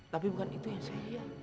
tapi bukan itu yang saya